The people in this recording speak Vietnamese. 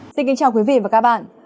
xin kính chào quý vị và các bạn